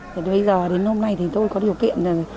bây giờ đến hôm nay tôi có điều kiện